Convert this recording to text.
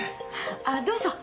あどうぞ。